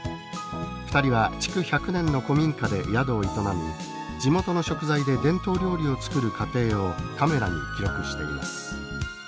２人は築１００年の古民家で宿を営み地元の食材で伝統料理を作る過程をカメラに記録しています。